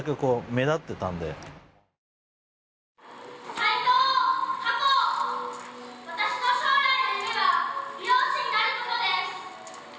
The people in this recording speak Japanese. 齋藤華子、私の将来の夢は美容師になることです。